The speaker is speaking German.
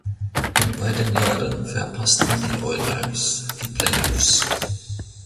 In beiden Jahren verpassten die Oilers die Playoffs.